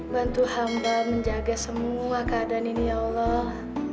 bantu hamba menjaga semua keadaan ini ya allah